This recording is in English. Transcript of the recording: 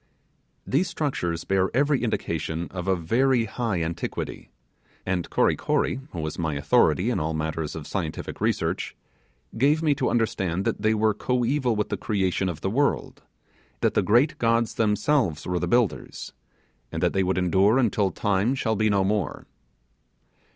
These structures bear every indication of a very high antiquity and Kory Kory, who was my authority in all matters of scientific research, gave me to understand that they were coeval with the creation of the world; that the great gods themselves were the builders; and that they would endure until time shall be no more.